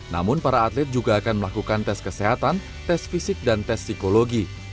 namun para atlet juga akan melakukan tes kesehatan tes fisik dan tes psikologi